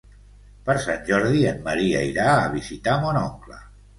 Per Sant Jordi en Maria irà a visitar mon oncle.